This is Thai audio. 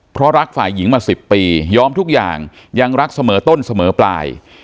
เพราะรักฝ่ายหญิงมา๑๐ปียอมทุกอย่างยังรักเสมอต้นเสมอปลาย